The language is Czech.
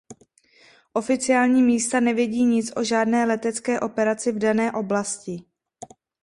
Oficiální místa nevědí nic o žádné letecké operaci v dané oblasti.